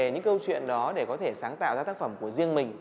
những câu chuyện đó để có thể sáng tạo ra tác phẩm của riêng mình